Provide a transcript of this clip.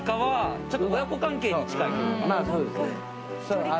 まあそうですね